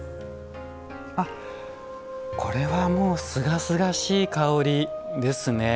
これは、もうすがすがしい香りですね。